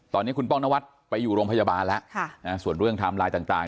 ตอนนี้คุณป้องนวัดไปอยู่โรงพยาบาลแล้วส่วนเรื่องไทม์ไลน์ต่าง